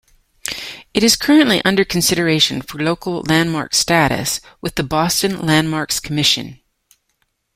It is currently under consideration for local landmark status with the Boston Landmarks Commission.